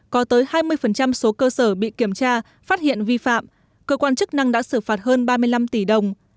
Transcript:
có tới hai mươi số cơ sở bị kiểm tra phát hiện vi phạm cơ quan chức năng đã xử phạt hơn ba mươi năm tỷ đồng